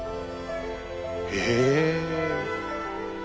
へえ。